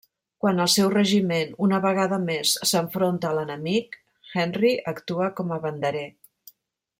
Quan el seu regiment, una vegada més s'enfronta a l'enemic, Henry actua com banderer.